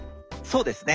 そうですね